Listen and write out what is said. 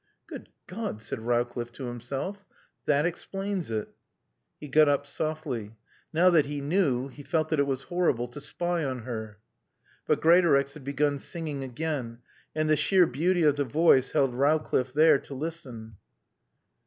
"Good God!" said Rowcliffe to himself. "That explains it." He got up softly. Now that he knew, he felt that it was horrible to spy on her. But Greatorex had begun singing again, and the sheer beauty of the voice held Rowcliffe there to listen.